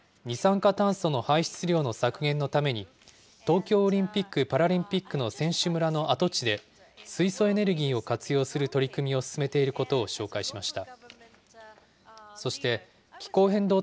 この中で、小池知事は、二酸化炭素の排出量の削減のために東京オリンピック・パラリンピックの選手村の跡地で、水素エネルギーを活用する取り組みを進めていることを紹介しました。